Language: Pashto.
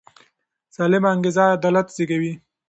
سالمه انګیزه عدالت زېږوي